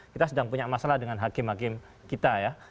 kita sedang punya masalah dengan hakim hakim kita ya